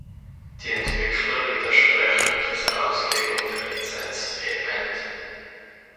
Die Entwickler widersprechen dieser Auslegung der Lizenz vehement.